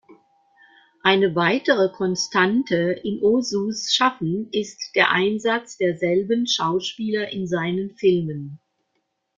Eine weitere Konstante in Ozus Schaffen ist der Einsatz derselben Schauspieler in seinen Filmen.